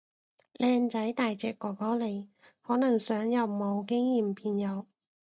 靚仔大隻哥哥嚟，可能想由冇經驗變有